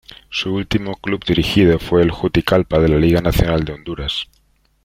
Su último club dirigido fue el Juticalpa de la Liga Nacional de Honduras.